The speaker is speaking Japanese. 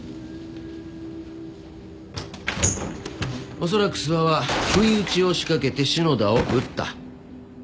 おそらく諏訪は不意打ちを仕掛けて篠田を撃った。